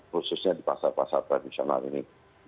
khususnya di pasar pasar tradisional ini